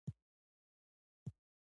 بیرته په ځای کړي